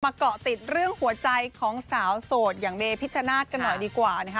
เกาะติดเรื่องหัวใจของสาวโสดอย่างเมพิชชนาธิ์กันหน่อยดีกว่านะคะ